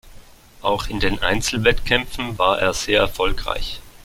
Auch in den Einzelwettkämpfen war er sehr erfolgreich.